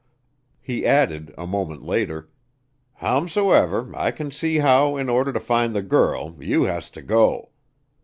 He added, a moment later: "Howsomever, I can see how, in order to find the girl, you has to go.